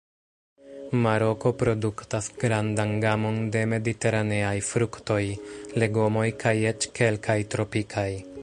Maroko produktas grandan gamon de mediteraneaj fruktoj, legomoj kaj eĉ kelkaj tropikaj.